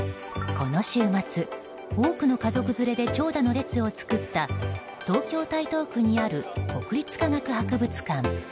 この週末、多くの家族連れで長蛇の列を作った東京・台東区にある国立科学博物館。